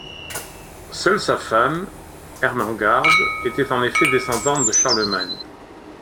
Seule sa femme, Ermengarde était en effet descendante de Charlemagne.